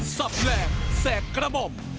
สัตว์แหลกแสกกระบ่อม